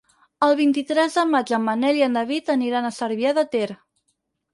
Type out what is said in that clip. El vint-i-tres de maig en Manel i en David aniran a Cervià de Ter.